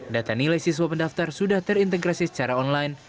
data nilai siswa pendaftar sudah terintegrasi secara online